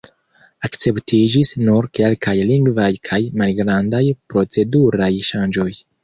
Akceptiĝis nur kelkaj lingvaj kaj malgrandaj proceduraj ŝanĝoj.